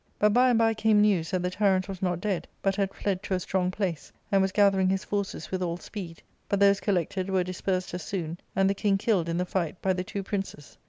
" But by and by came news that the tyrant was not dead, but had fled to a strong place, and was gathering his forces with all speed; but those collected were dispersed as soon, and the king killed in the fight by the two princes.